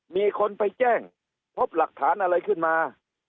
มีคนไปแจ้งพบหลักฐานอะไรขึ้นมา